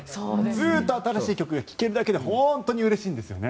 ずっと新しい曲が聴けるだけで本当にうれしいんですよね。